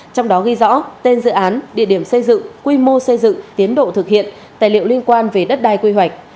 trong đó ghi rõ tên dự án địa điểm xây dựng quy mô xây dựng tiến độ thực hiện tài liệu liên quan về đất đai quy hoạch